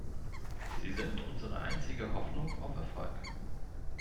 Sie sind unsere einzige Hoffnung auf Erfolg.